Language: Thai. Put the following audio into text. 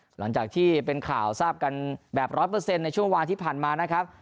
หลังจากที่เป็นข่าวทราบกันแบบร้อยเปอร์เซ็นต์ในช่วงวานที่ผ่านมานะครับ